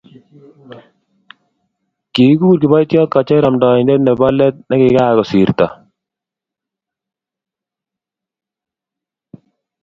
Kikikur kiboityot kocher amndoindet nebo let eng nekikasirto